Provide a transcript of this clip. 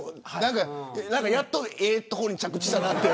やっとええところに着地したなって。